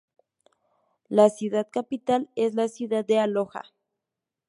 La ciudad capital es la ciudad de Aloja.